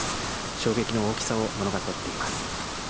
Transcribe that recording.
衝撃の大きさを物語っています。